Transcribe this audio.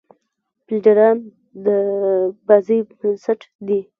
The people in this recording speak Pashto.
فیلډران د بازۍ بېنسټ دي.